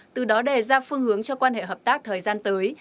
từ đó đề ra phương hướng cho quan hệ hợp tác thời gian tới